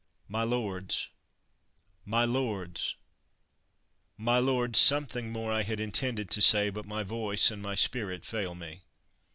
My lords ! my lords ! my lords ! something more 1 had intended to say, but my voice and my spirit fail me.